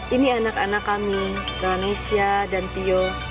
ini anak anak kami ramesya dan pio